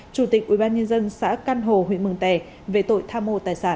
chủ tịch ubnd xã căn hồ huyện mường tè về tội tham mô tài sản